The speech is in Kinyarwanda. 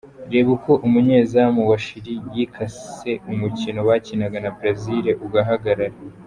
Reba uko umunyezamu wa Chili yikase umukino bakinaga na Brazil ugahagarara.